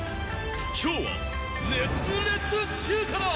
今日は熱烈中華だ。